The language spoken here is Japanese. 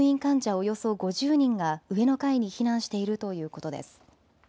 およそ５０人が上の階に避難しているということです。